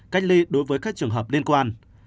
cách ly đối với các trường hợp liên quan